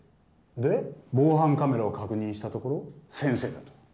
で防犯カメラを確認したところ先生だと。